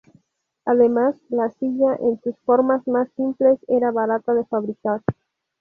Además, la silla, en sus formas más simples, era barata de fabricar.